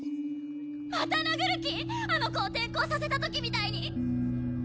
また殴る気⁉あの子を転校させた時みたいに！